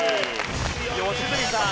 良純さん